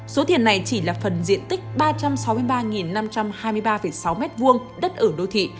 số tiền này chỉ là phần diện tích ba trăm sáu mươi ba năm trăm hai mươi ba sáu m hai đất ở đô thị